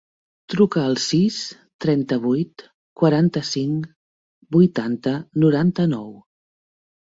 Truca al sis, trenta-vuit, quaranta-cinc, vuitanta, noranta-nou.